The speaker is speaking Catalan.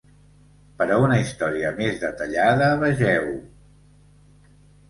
Per a una història més detallada, vegeu: